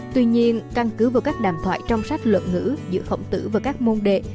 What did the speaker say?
tuy nhiên căn cứ vào các đàm thoại trong sách luận ngữ giữa khổng tử và các môn đệ